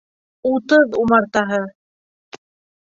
Утыҙ умартаһы.